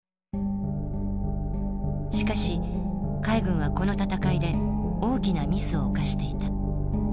しかし海軍はこの戦いで大きなミスを犯していた。